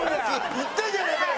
行ってんじゃねえかよ！